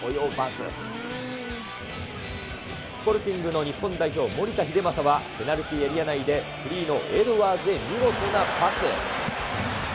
スポルティングの日本代表、守田英正はペナルティエリア内でフリーのエドワーズへ見事なパス。